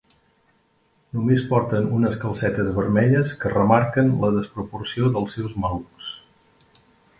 Només porten unes calcetes vermelles que remarquen la desproporció dels seus malucs.